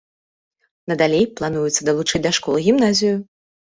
Надалей плануецца далучыць да школы гімназію.